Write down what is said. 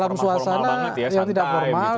dalam suasana yang tidak formal